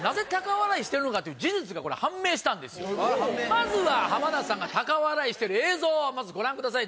まずは浜田さんが高笑いしてる映像をまずご覧ください